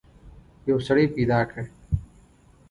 یو سړی پیدا کړ.